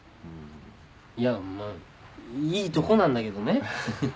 いやまぁいいとこなんだけどね。